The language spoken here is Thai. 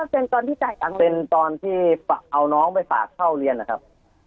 เซ็นตอนที่เอาน้องไปฝากเข้าเรียนอะครับ